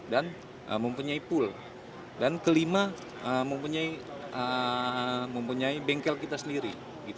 dan mempunyai pool dan kelima mempunyai bengkel kita sendiri